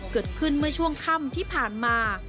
เกิดขึ้นเมื่อช่วงค่ำที่ผ่านมา